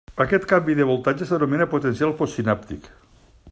Aquest canvi de voltatge s'anomena potencial postsinàptic.